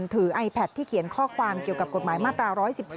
ไอแพทที่เขียนข้อความเกี่ยวกับกฎหมายมาตรา๑๑๒